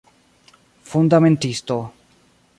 Fundamentisto.